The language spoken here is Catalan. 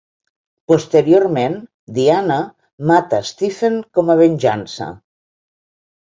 Posteriorment, Diana mata Stephen com a venjança.